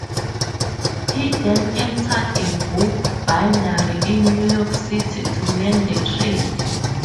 He then entered a book-bindery in New York City to learn the trade.